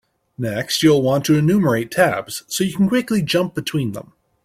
Next, you'll want to enumerate tabs so you can quickly jump between them.